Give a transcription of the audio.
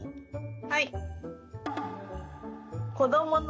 はい。